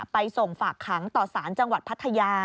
ไปส่งฝากขังต่อสารจังหวัดพัทยา